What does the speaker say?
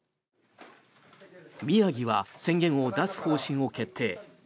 宮城は宣言を出す方針を決定。